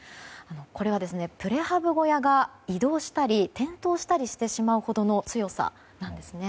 これはプレハブ小屋が移動したり転倒したりしてしまうほどの強さなんですね。